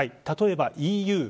例えばＥＵ。